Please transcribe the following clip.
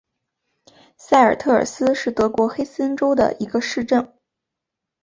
塞尔特尔斯是德国黑森州的一个市镇。